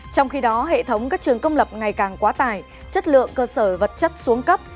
trong khi đó hệ thống các trường công lập ngày càng quá tải chất lượng cơ sở vật chất xuống cấp